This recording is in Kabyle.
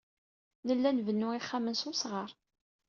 Nella nbennu ixxamen s wesɣar.